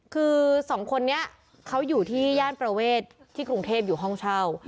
คือสองคนนี้เขาอยู่ที่ย่านประเวทที่กรุงเทพอยู่ห้องเช่า